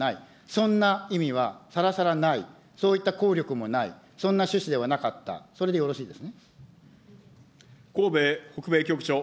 そんな意味はさらさらない、そういった効力もない、そんな趣旨ではなかった、それでよろしいですね。